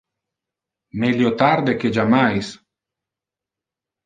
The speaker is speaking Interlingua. Melio tarde que jammais.